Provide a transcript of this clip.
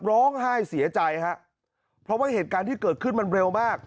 ร้องไห้เสียใจฮะเพราะว่าเหตุการณ์ที่เกิดขึ้นมันเร็วมาก